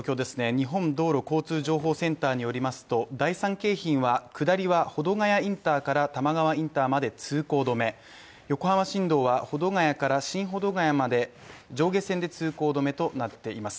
日本道路交通情報センターによりますと第三京浜は下りは保土ヶ谷インターから玉川インターまで通行止め、横浜新道は保土ケ谷から新保土ケ谷まで上下線で通行止めとなっています。